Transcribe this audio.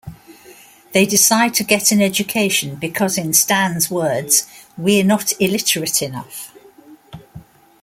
They decide to get an education because in Stan's words "we're not illiterate enough".